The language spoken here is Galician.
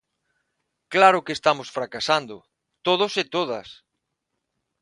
Claro que estamos fracasando, todos e todas.